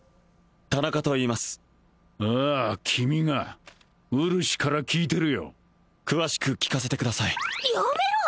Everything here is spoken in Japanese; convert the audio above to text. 田中といいますああ君がうるしから聞いてるよ詳しく聞かせてくださいやめろ！